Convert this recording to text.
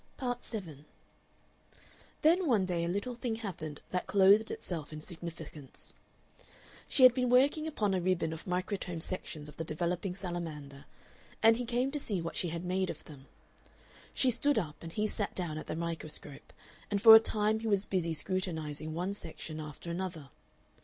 Part 7 Then one day a little thing happened that clothed itself in significance. She had been working upon a ribbon of microtome sections of the developing salamander, and he came to see what she had made of them. She stood up and he sat down at the microscope, and for a time he was busy scrutinizing one section after another.